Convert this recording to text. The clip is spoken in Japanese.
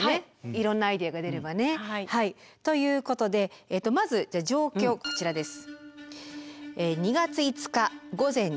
いろんなアイデアが出ればね。ということでまず状況こちらです。